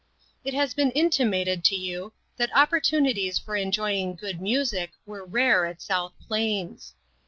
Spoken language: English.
It has been intimated to you that oppor tunities for enjoying good music were rare at South Plains.